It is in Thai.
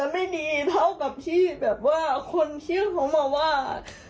ไม่มีเท่ากับที่แบบว่าคนชื่อเขามาว่า